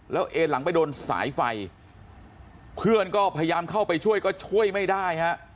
แล้วเอ็นหลังไปโดนสายไฟเพื่อนก็พยายามเข้าไปช่วยก็ช่วยไม่ได้ฮะ